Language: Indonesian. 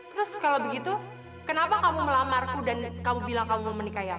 terus kalau begitu kenapa kamu melamarku dan kamu bilang kamu mau menikah ya